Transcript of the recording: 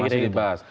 ya masih dibahas